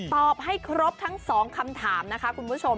ตอบให้ครบทั้ง๒คำถามนะคะคุณผู้ชม